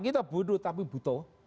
kita bodoh tapi butuh